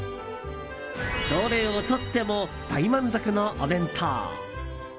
どれをとっても大満足のお弁当。